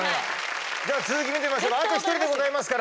続き見てみましょうか。